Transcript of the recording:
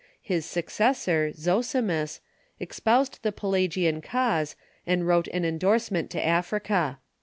His successor, Zosimus, espoused the Pelagian cause, and wrote an endorsement to Africa.